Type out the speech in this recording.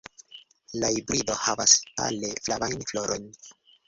La hibrido havas pale flavajn florojn.